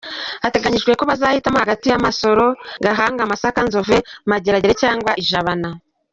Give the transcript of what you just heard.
Hateganijwe ko bazahitamo hagati ya Masoro, Gahanga, Masaka, Nzove, Mageragere cyangwa i Jabana.